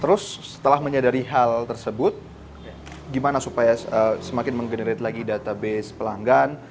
terus setelah menyadari hal tersebut gimana supaya semakin menggenerate lagi database pelanggan